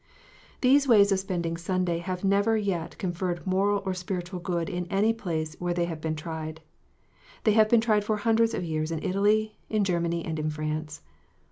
These ways of spending Sunday have never yet conferred moral or spiritual good in any place where they have been tried. They have been tried for hundreds of years in Italy, in Germany, and in France.